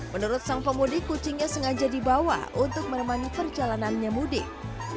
menurut sang pemudik kucingnya sengaja dibawa untuk menemani perjalanannya mudik